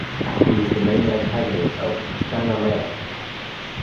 He is the main antagonist of Shahnameh.